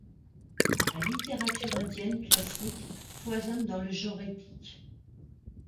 La littérature indienne classique foisonne dans le genre épique.